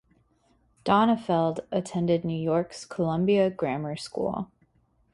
Donenfeld attended New York's Columbia Grammar School.